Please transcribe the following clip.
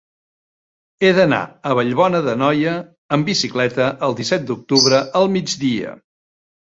He d'anar a Vallbona d'Anoia amb bicicleta el disset d'octubre al migdia.